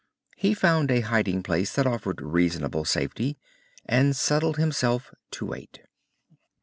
He found a hiding place that offered reasonable safety, and settled himself to wait.